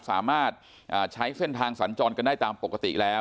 สามารถใช้เส้นทางสัญจรกันได้ตามปกติแล้ว